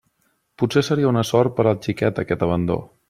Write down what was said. Potser seria una sort per al xiquet aquest abandó.